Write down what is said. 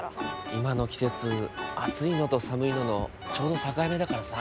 今の季節暑いのと寒いののちょうど境目だからさ。